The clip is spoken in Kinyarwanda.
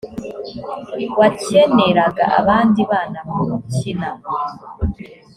wakeneraga abandi bana mukina